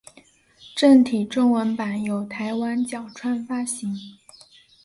正体中文版由台湾角川发行。